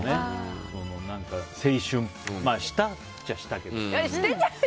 青春したっちゃしたけど。